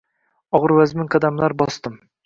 Og‘ir-vazmin qadamlar bosdim.